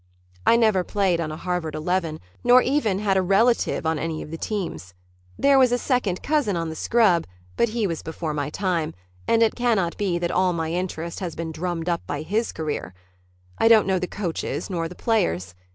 I never played on a Harvard eleven, nor even had a relative on any of the teams. There was a second cousin on the scrub, but he was before my time, and it cannot be that all my interest has been drummed up by his career. I don't know the coaches nor the players.